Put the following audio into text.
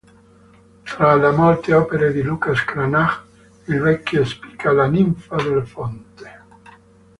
Tra le molte opere di Lucas Cranach il vecchio spicca la "Ninfa della fonte".